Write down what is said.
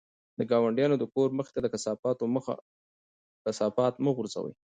د ګاونډیانو د کور مخې ته د کثافاتو مه غورځوئ.